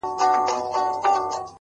• علت یې هماغه د ده خپله خبره ده ,